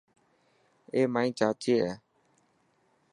اي مائي چاچي هي.